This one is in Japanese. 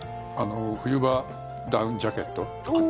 冬場、ダウンジャケット。